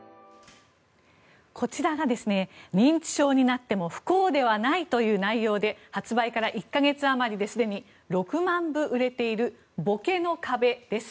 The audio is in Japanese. こちらが認知症になっても不幸ではないという内容で発売から１か月余りですでに６万部売れている「ぼけの壁」です。